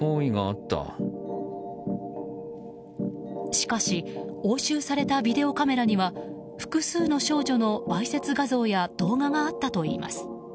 しかし押収されたビデオカメラには複数の少女のわいせつ画像や動画があったといいます。